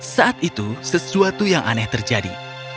saat itu sesuatu yang aneh terjadi